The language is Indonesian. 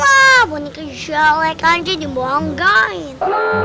wah boneka jelek aja dibanggain